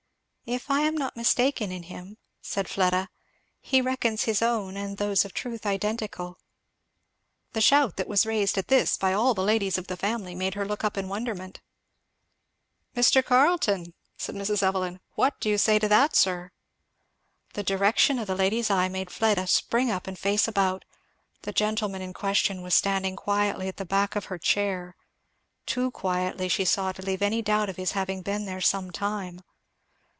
"If I am not mistaken in him," said Fleda, "he reckons his own and those of truth identical." The shout that was raised at this by all the ladies of the family, made her look up in wonderment. "Mr. Carleton," said Mrs. Evelyn, "what do you say to that, sir." The direction of the lady's eye made Fleda spring up and face about. The gentleman in question was standing quietly at the back of her chair, too quietly, she saw, to leave any doubt of his having been there some time.